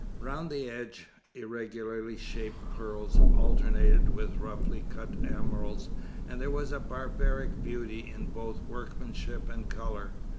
Round the edge, irregularly shaped pearls alternated with roughly cut emeralds, and there was a barbaric beauty in both workmanship and colour.